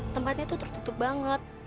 tempatnya tuh tertutup banget